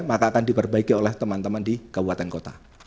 maka akan diperbaiki oleh teman teman di kabupaten kota